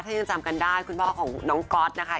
ถ้ายังจำกันได้คุณพ่อของน้องก๊อตนะคะ